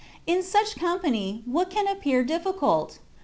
Li such company, what can appear difficult?